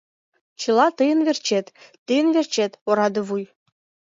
— Чыла тыйын верчет... тыйын верчет, ораде вуй!